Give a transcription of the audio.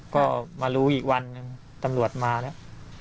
ก็มารู้อีกวันหนึ่งตำรวจมาแล้ว